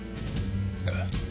ああ。